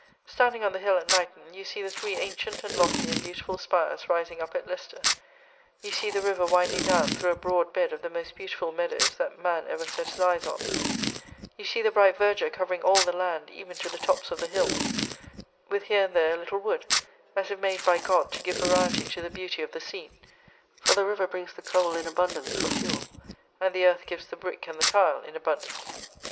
Standing on the hill at Knighton, you see the three ancient and lofty and beautiful spires rising up at Leicester; you see the river winding down through a broad bed of the most beautiful meadows that man ever set his eyes on; you see the bright verdure covering all the land, even to the tops of the hills, with here and there a little wood, as if made by God to give variety to the beauty of the scene, for the river brings the coal in abundance, for fuel, and the earth gives the brick and the tile in abundance.